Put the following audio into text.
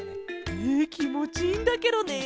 えきもちいいんだケロね。